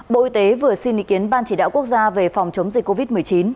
bộ y tế vừa xin ý kiến ban chỉ đạo quốc gia về phòng chống dịch covid một mươi chín